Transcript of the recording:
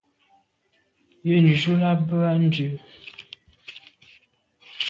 Yen ju là be à ndù.